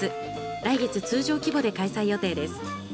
来月、通常規模で開催予定です。